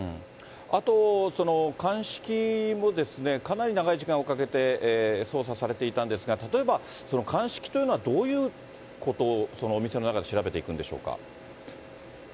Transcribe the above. あと、鑑識もですね、かなり長い時間をかけて捜査されていたんですが、例えば鑑識というのは、どういうことを、お店の中で調べていくんでしょうか。